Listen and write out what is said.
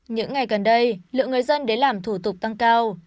những ngày gần đây lượng người dân đến làm thủ tục tăng cao